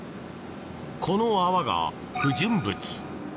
この泡が不純物。